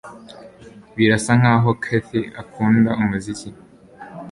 Birasa nkaho Cathy akunda umuziki